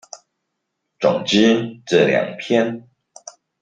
總之這兩篇